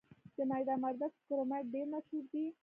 د میدان وردګو کرومایټ ډیر مشهور دی.